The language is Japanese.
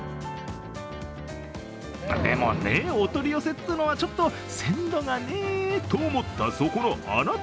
でもね、お取り寄せというのは、ちょっと鮮度がねと思ったそこのあなた。